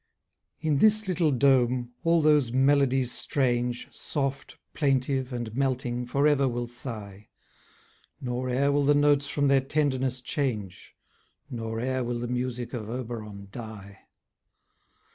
In this little dome, all those melodies strange, Soft, plaintive, and melting, for ever will sigh; Nor e'er will the notes from their tenderness change; Nor e'er will the music of Oberon die.